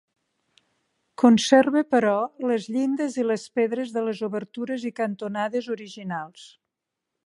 Conserva però les llindes i les pedres de les obertures i cantonades originals.